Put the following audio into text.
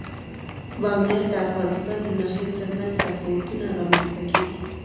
بامیان د افغانستان د ناحیو ترمنځ مهم تفاوتونه رامنځ ته کوي.